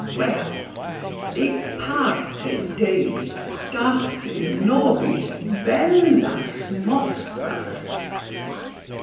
Well, de parte Dei date nobis bellas nostras.